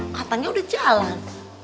katanya udah jalan